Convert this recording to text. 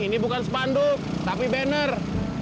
ini bukan sepanduk tapi banner